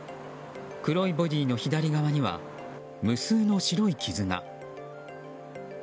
黒いボディーの左側には無数の白い傷が。